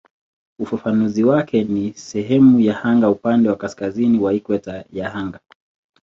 Ufafanuzi wake ni "sehemu ya anga upande wa kaskazini wa ikweta ya anga".